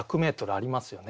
ありますね。